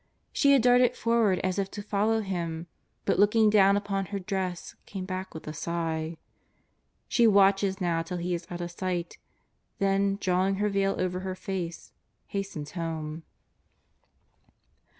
She had darted forward as if to follow Him, but looking do^vn upon her dress came back with a sigh. She watches now till He is out of sight, then, drawing her veil over her face, hastens home.